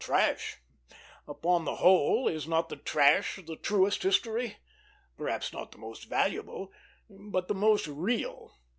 Trash? Upon the whole is not the trash the truest history? perhaps not the most valuable, but the most real?